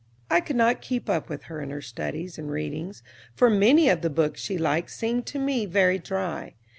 I could not keep up with her in her studies and readings, for many of the books she liked seemed to me very dry.